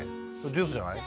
「ジュースじゃない？」